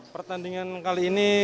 pertandingan kali ini